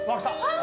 あ！